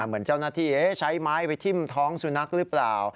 เหมือนเจ้าหน้าที่ใช้ไม้ไปทิ้มท้องสุนัขหรือเปล่า